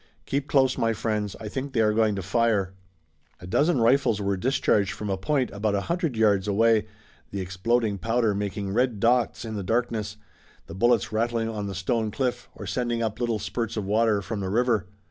Keep close, my friends, I think they are going to fire." A dozen rifles were discharged from a point about a hundred yards away, the exploding powder making red dots in the darkness, the bullets rattling on the stone cliff or sending up little spurts of water from the river.